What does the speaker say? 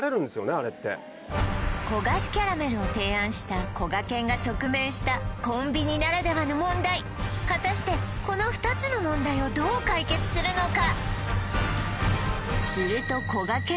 あれって焦がしキャラメルを提案したこがけんが直面したコンビニならではの問題果たしてこの２つの問題をどう解決するのか？